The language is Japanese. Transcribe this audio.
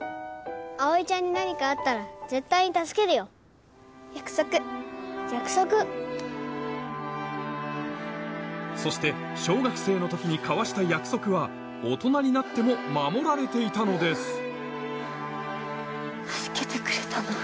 葵ちゃんに何かあったら絶対に助そして小学生の時に交わした約束は大人になっても守られていたのです助けてくれたの？